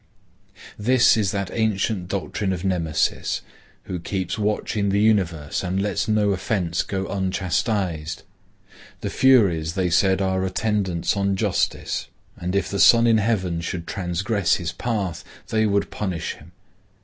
This is that ancient doctrine of Nemesis, who keeps watch in the universe and lets no offence go unchastised. The Furies they said are attendants on justice, and if the sun in heaven should transgress his path they would punish him.